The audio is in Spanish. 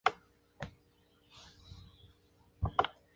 Se localiza frente a la iglesia parroquial, en la orilla de enfrente.